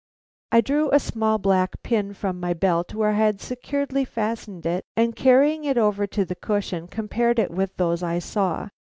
I drew a small black pin from my belt where I had securely fastened it, and carrying it over to the cushion, compared it with those I saw.